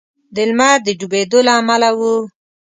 د لمر د ډبېدو له امله و.